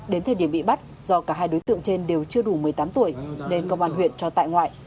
đến thời điểm bị bắt do cả hai đối tượng trên đều chưa đủ một mươi tám tuổi nên công an huyện cho tại ngoại